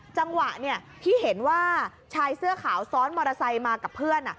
จังหวะที่เห็นว่าชายเสื้อขาวซ้อนมอเตอร์ไซค์มากับเพื่อน